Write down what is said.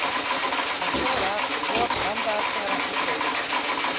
Артығыраҡ, быуаттан да артығыраҡ йәшәй.